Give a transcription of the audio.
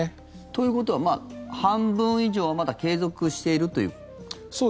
ということは半分以上はまだ継続していると。